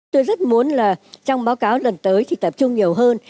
tôi rất muốn là trong báo cáo lần tới thì tập trung nhiều hơn